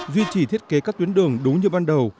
duy trì thiết kế các tuyến đường đúng như ban đầu